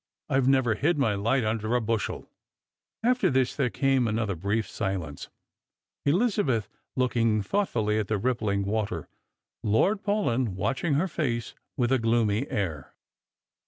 I've never hid my light under a bushel." After this there came another brief silence. Elizabeth looking thoughtfully at the rippHng water, Lord Paulyn waiching her face with a gloomy air.